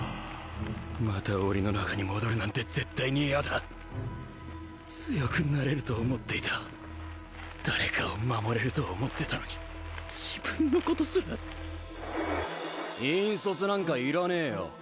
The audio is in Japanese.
また檻の中に戻るなんて絶対に嫌だ強くなれると思っていた誰かを守れると思ってたのに自分のことすら引率なんかいらねえよ